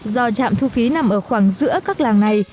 do trạm thu phí nằm ở khoảng giữa các làng này